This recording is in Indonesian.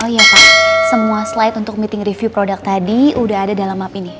oh iya pak semua slide untuk meeting review produk tadi udah ada dalam map ini